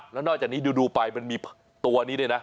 แล้วนอกจากนี้ดูไปมันมีตัวนี้ด้วยนะ